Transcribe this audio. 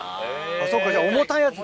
そうか、じゃあ重たいやつだ。